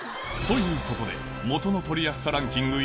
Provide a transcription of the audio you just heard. ということで元の取りやすさランキング